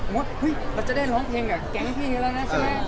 เราจะได้ร้องเพลงกับแก๊งพี่นี้แล้วนะใช่ไหม